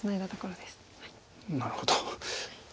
なるほど。